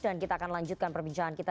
dan kita akan lanjutkan perbincangan kita